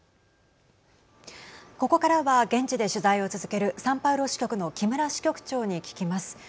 ここからは現地で取材を続けるサンパウロ支局の木村支局長に聞きます。